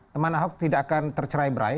teman ahok tidak akan tercerai berai